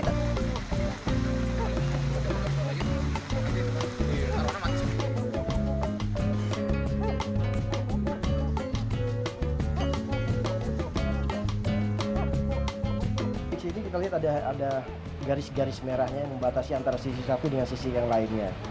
di sini kita lihat ada garis garis merahnya yang membatasi antara sisi satu dengan sisi yang lainnya